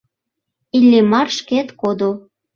Иллимар шкет кодо.